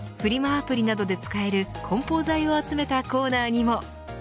アプリなどで使える梱包材を集めたコーナーにも。